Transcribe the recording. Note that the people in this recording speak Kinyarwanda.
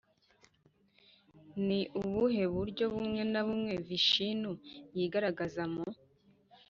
ni ubuhe buryo bumwe na bumwe vishinu yigaragazamo?